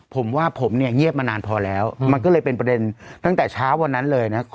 ผมว่าผมเนี่ยเงียบมานานพอแล้วมันก็เลยเป็นประเด็นตั้งแต่เช้าวันนั้นเลยนะ